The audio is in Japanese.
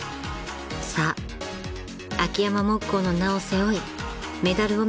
［さあ秋山木工の名を背負いメダルを目指します］